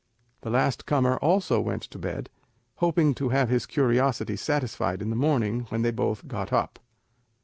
The last comer also went to bed, hoping to have his curiosity satisfied in the morning when they both got up.